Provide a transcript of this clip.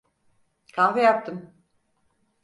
Kahve yaptım.